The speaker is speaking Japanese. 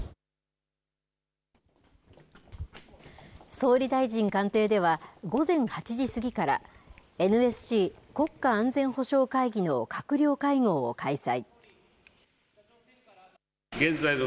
総理大臣官邸では午前８時過ぎから、ＮＳＣ・国家安全保障会議の閣僚会合を開催。